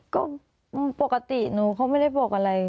ก็ปกติหนูเขาไม่ได้บอกอะไร